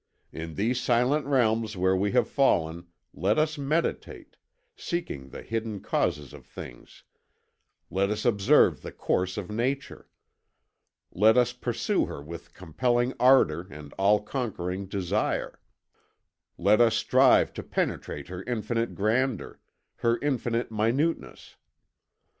In these silent realms where we are fallen, let us meditate, seeking the hidden causes of things; let us observe the course of Nature; let us pursue her with compelling ardour and all conquering desire; let us strive to penetrate her infinite grandeur, her infinite minuteness.